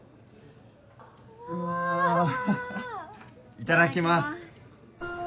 いただきます。